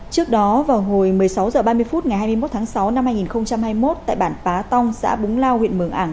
trước đó vào hồi một mươi sáu h ba mươi phút ngày hai mươi một tháng sáu năm hai nghìn hai mươi một tại bản pá tòng xã búng lao huyện mường ảng